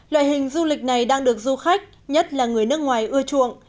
loại hình du lịch này đang được du khách nhất là người nước ngoài ưa chuộng